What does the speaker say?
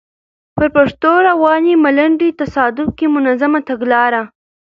پر پښتو روانې ملنډې؛ تصادف که منظمه تګلاره؟